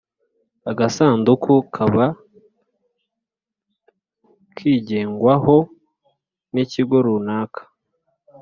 agasanduku kaba kigengwaho n’ikigo runaka.